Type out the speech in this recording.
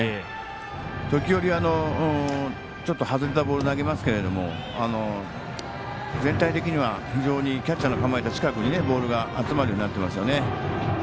時折外れたボールを投げますけど全体的には、非常にキャッチャーの構えと近くにボールが集まるようになってますよね。